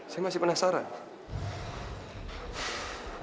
saya masih penasaran